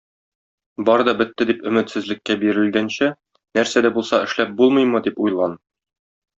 Бар да бетте дип өметсезлеккә бирелгәнче нәрсә дә булса эшләп булмыймы дип уйлан.